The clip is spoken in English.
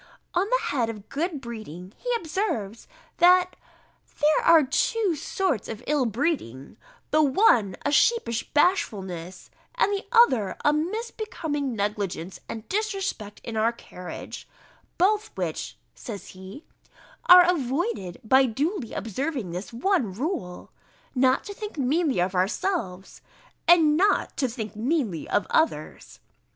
On the head of good breeding, he observes, that, "there are two sorts of ill breeding; the one a sheepish bashfulness, and the other a misbecoming negligence and disrespect in our carriage; both which," says he, "are avoided by duly observing this one rule, not to think meanly of ourselves, and not to think meanly of others."